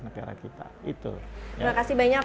negara kita itu terima kasih banyak